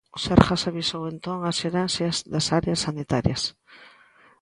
O Sergas avisou entón ás Xerencias das áreas sanitarias.